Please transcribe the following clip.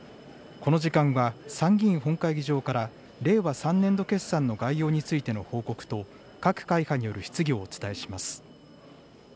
この時間は参議院本会議場から、令和３年度決算の概要についての報告と、各会派による質疑をお伝えします。